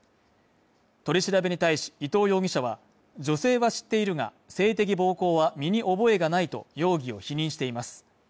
取り調べに対し伊藤容疑者は、女性は知っているが、性的暴行は身に覚えがないと容疑を否認しています。